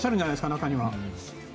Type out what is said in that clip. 中には。